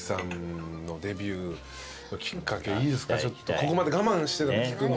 ここまで我慢してたんで聞くの。